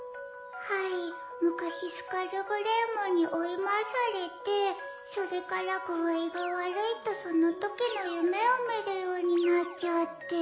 はい昔スカルグレイモンに追い回されてそれから具合が悪いとそのときの夢を見るようになっちゃって。